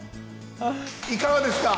いかがですか？